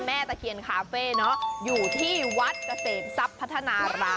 แม่ตะเคียนคาเฟ่นะอยู่ที่วัดเกษตรศัพท์พัฒนาราบ